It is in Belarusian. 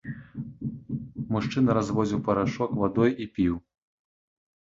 Мужчына разводзіў парашок вадой і піў.